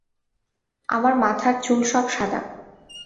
আমার মাথার চুল সব সাদা।